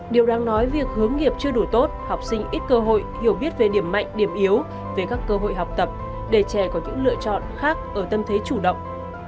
điều đáng nói việc hướng nghiệp chưa đủ tốt học sinh ít cơ hội hiểu biết về điểm mạnh điểm yếu về các cơ hội học tập để trẻ có những lựa chọn khác ở tâm thế chủ động